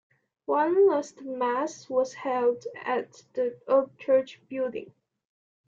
One last Mass was held at the old church building.